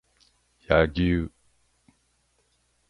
柳生